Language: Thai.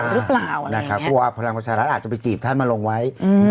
เพราะว่าพลังประชารัฐอาจจะไปจีบท่านมาลงไว้